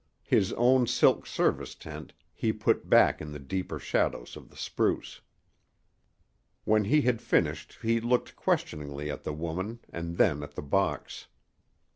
His own silk service tent he put back in the deeper shadows of the spruce. When he had finished he looked questioningly at the woman and then at the box.